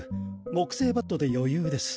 木製バットで余裕です。